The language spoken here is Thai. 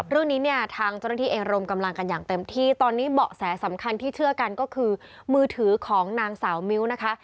เรื่องนี้เนี่ยทางเจ้าหน้าที่เองรมกำลังกันอย่างเต็มที่ตอนนี้เบาะแสสำคัญที่เชื่อกันก็คือมือถือของนางสาวมิ้วนะคะ